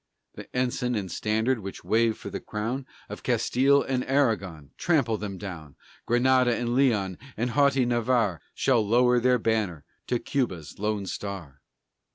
_The ensign and standard which wave for the Crown Of Castile and Aragon trample them down! Granada and Leon and haughty Navarre Shall lower their banner to Cuba's lone star!